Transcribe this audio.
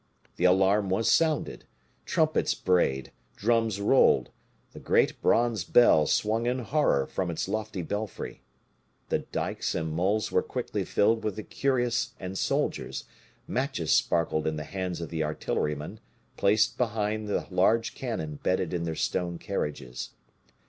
The alarm was sounded, trumpets brayed, drums rolled; the great bronze bell swung in horror from its lofty belfry. The dikes and moles were quickly filled with the curious and soldiers; matches sparkled in the hands of the artillerymen, placed behind the large cannon bedded in their stone carriages.